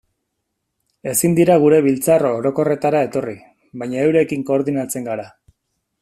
Ezin dira gure biltzar orokorretara etorri, baina eurekin koordinatzen gara.